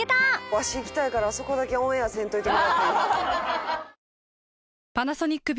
わし行きたいからあそこだけオンエアせんといてもらっていい？